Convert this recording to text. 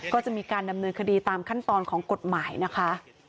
ก็จะมีการดำเนินคดีตามขั้นตอนของกฎหมายนะคะ